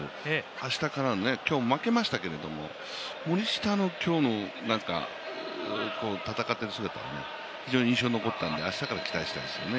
明日からね、今日は負けましたけれども森下の今日の戦っている姿、印象に残ったので明日から期待したいですよね。